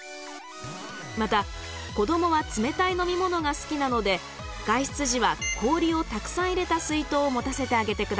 また子どもは冷たい飲み物が好きなので外出時は氷をたくさん入れた水筒を持たせてあげてください。